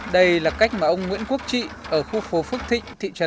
đây là cách mà ông nguyễn quốc trị ở khu phố phước thịnh thị trần phú yên